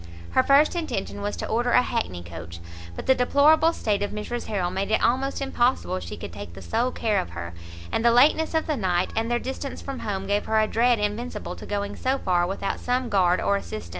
Her first intention was to order a hackney coach, but the deplorable state of Mrs Harrel made it almost impossible she could take the sole care of her, and the lateness of the night, and their distance from home, gave her a dread invincible to going so far without some guard or assistant.